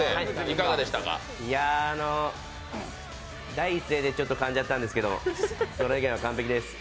いやあ、第一声でちょっとかんじゃったんですけどそれ以外は完璧です。